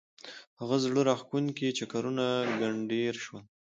هغه زړه راکښونکي چکرونه ګنډېر شول.